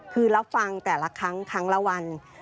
คือรับฟังแต่ละครั้งครั้งละวัน